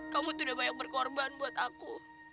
kamu tuh udah banyak berkorban buat aku